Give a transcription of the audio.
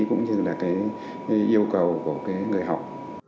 cũng như là cái yêu cầu của cái người học